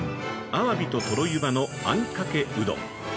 「アワビととろ湯葉のあんかけうどん」。